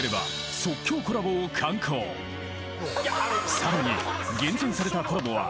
［さらに厳選されたコラボは］